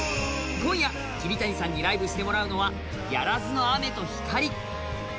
今夜桐谷さんにライブしてもらうのは「遣らずの雨と、光」